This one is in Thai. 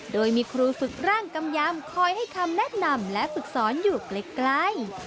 โดยมีครูฝึกร่างกำยำคอยให้คำแนะนำและฝึกสอนอยู่ไกล